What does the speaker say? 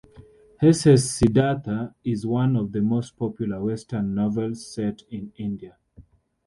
Hesse's "Siddhartha" is one of the most popular Western novels set in India.